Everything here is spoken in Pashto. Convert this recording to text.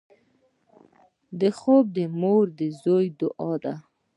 خوب د مور د زوی دعا ده